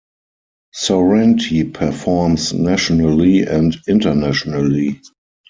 Sorrenti performs nationally and internationally.